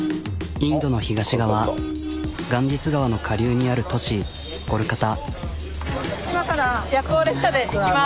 インドの東側ガンジス川の下流にある都市コルカタ。